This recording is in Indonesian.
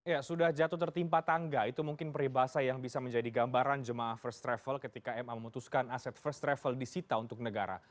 ya sudah jatuh tertimpa tangga itu mungkin peribahasa yang bisa menjadi gambaran jemaah first travel ketika ma memutuskan aset first travel disita untuk negara